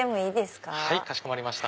かしこまりました。